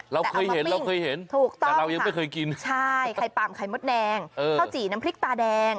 เราเคยเห็นเราเคยเห็นแต่เรายังไม่เคยกินใช่ไข่ป่ามไข่มดแดงข้าวจี่น้ำพริกตาแดง